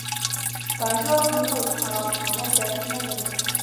پنجاب نور هغه پخوانی دریځ نه درلود.